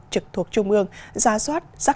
trực thuộc trung ương gia soát